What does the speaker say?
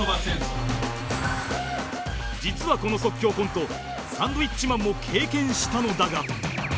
実はこの即興コントサンドウィッチマンも経験したのだが